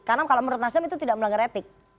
karena kalau menurut nasdem itu tidak melanggar etik